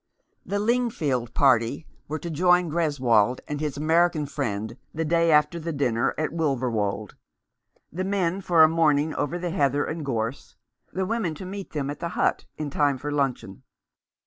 THE Lingfield party were to join Greswold and his American friend the day after the dinner at Wilverwold, the men for a morning over the heather and gorse, the women to meet them at the hut in time for luncheon.